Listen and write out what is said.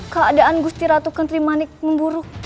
keadaan gusti ratu kentrimanik memburuk